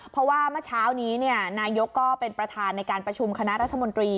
เพราะว่าเมื่อเช้านี้นายกก็เป็นประธานในการประชุมคณะรัฐมนตรี